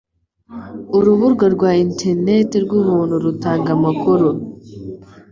Urubuga rwa internet rw'ubuntu rutanga amakuru